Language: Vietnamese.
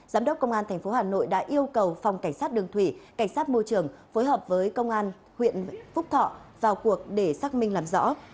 giám đốc công an tp hà nội đã yêu cầu phòng cảnh sát đường thủy cảnh sát môi trường phối hợp với công an huyện phúc thọ vào cuộc để xác minh làm rõ